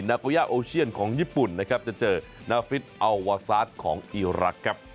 นาโกย่าโอเชียนของญี่ปุ่นนะครับจะเจอนาฟิศอัลวาซาสของอีรักษ์ครับ